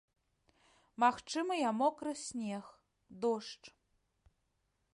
Магчымыя мокры снег, дождж.